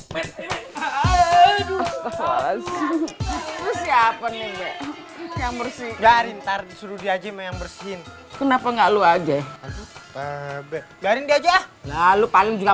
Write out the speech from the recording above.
bersih dari ntar suruh diaji yang bersihin kenapa nggak lu aja